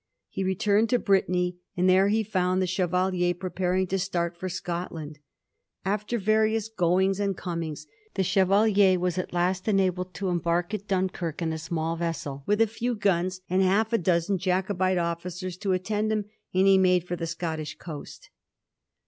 He returned to Brittany, and there he found the Chevalier preparing to start for Scotland. After various goings and comings the Chevalier was at last enabled to embark at Dunkirk in a small vessel, with a few guns and half a dozen Jacobite officers to attend him, and he made for the Scottish coafit.